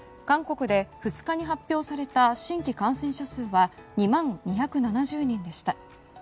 韓国で２日に発表された新規感染者数は２万２７０人でした。